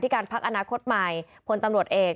การพักอนาคตใหม่พลตำรวจเอก